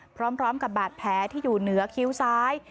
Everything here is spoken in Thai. พร้อมกับบาดแผลที่อยู่เหนือคิ้วซ้าย